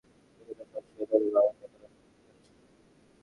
মেয়েরা সবসময়ে তাদের বাবার দেখাশোনা করে।